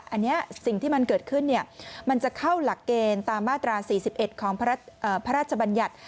อันนี้สิ่งที่มันเกิดขึ้นมันจะเข้าหลักเกณฑ์ตามมาตรา๔๑ของพระราชบัญญัติ